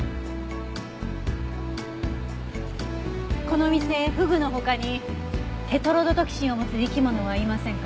この店フグの他にテトロドトキシンを持つ生き物はいませんか？